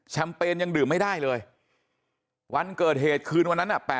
เปญยังดื่มไม่ได้เลยวันเกิดเหตุคืนวันนั้น